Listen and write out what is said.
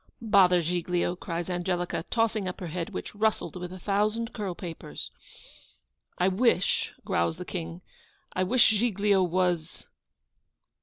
'Bother Giglio!' cries Angelica, tossing up her head, which rustled with a thousand curl papers. 'I wish,' growls the King 'I wish Giglio was.